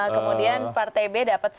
kemudian partai b dapat satu